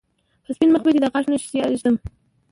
په سپين مخ به دې د غاښ نښې سياه ږدم